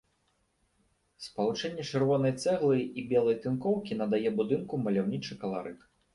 Спалучэнне чырвонай цэглы і белай тынкоўкі надае будынку маляўнічы каларыт.